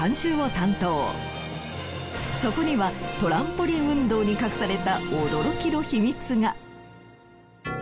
そこにはトランポリン運動に隠された驚きの秘密が。